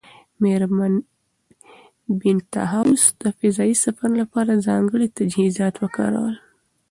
مېرمن بینتهاوس د فضایي سفر لپاره ځانګړي تجهیزات وکارول.